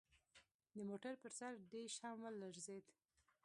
د موټر پر سر ډیش هم ولړزید